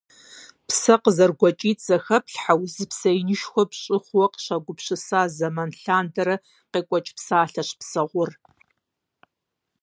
Псэ къызэрыгуэкӀитӀ зэхэплъхьэу зы псэ инышхуэ пщӀы хъууэ къыщагупсыса зэман лъандэрэ къекӀуэкӀ псалъэщ псэгъур.